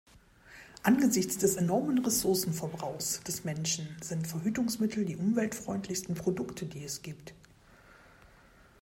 Angesichts des enormen Ressourcenverbrauchs des Menschen sind Verhütungsmittel die umweltfreundlichsten Produkte, die es gibt.